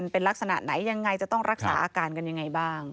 ประศานเจ้าหน้าที่ยังไง